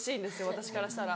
私からしたら。